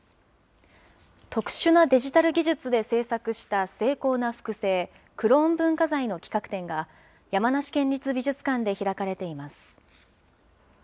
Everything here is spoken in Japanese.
特殊なデジタル技術で制作した精巧な複製、クローン文化財の企画展が、山梨県立美術館で開かれています。